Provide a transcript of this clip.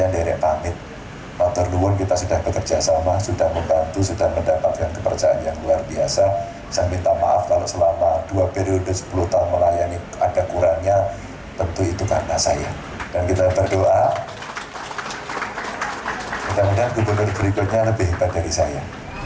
dan kita berdoa semoga gubernur berikutnya lebih hebat dari saya